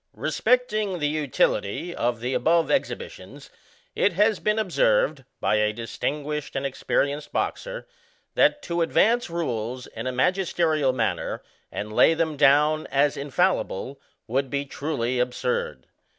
Respecting the utility of the above exhibitions it has been observed, by a distinguished and experien ced boxer, that to advance rules in a magisterial man ner, and lay them down as infallible, would be truly absurd.